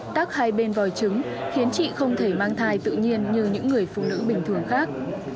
tắc hai bên vòi trứng khiến chị không thể mang thai tự nhiên như những người phụ nữ bình thường khác